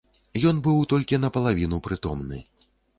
Ён быў толькі напалавіну прытомны.